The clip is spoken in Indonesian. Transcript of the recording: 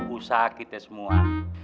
usaha kita semua